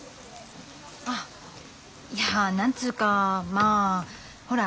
あいや何つうかまあほら